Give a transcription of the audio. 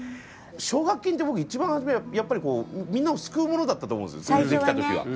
奨学金って僕、一番初め、やっぱりこうみんなを救うものだったと思うんです、できたときは。